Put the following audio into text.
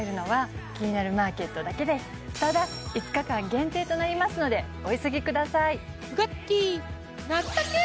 ただ５日間限定となりますのでお急ぎください